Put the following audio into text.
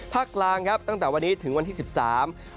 ภาคกลางตั้งแต่วันนี้ถึงวันที่๑๓องศาเซียต